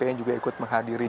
yang juga ikut menghadiri